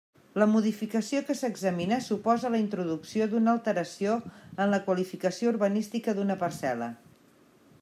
La modificació que s'examina suposa la introducció d'una alteració en la qualificació urbanística d'una parcel·la.